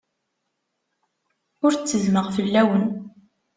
Ur ttezzmeɣ fell-awen.